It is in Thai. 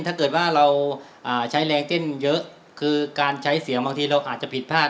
ถ้าเกิดว่าเราใช้แรงเต้นเยอะคือการใช้เสียงบางทีเราอาจจะผิดพลาด